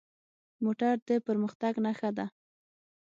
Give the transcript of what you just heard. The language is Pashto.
موټر د پرمختګ نښه ده.